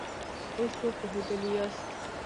اوس به پوهېدلي ياست.